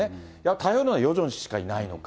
頼るのはヨジョン氏しかいないのか？